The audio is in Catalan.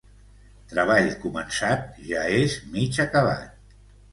Treball començat ja és mig acabat.